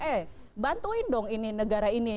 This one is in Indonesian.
eh bantuin dong ini negara ini